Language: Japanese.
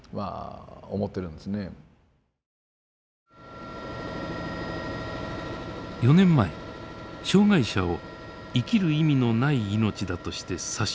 ４年前障害者を「生きる意味のない命だ」として殺傷した事件。